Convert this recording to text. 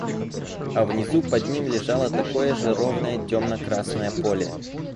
А внизу под ним лежало такое же ровное темно-красное поле.